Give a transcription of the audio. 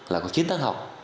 là có chín tháng học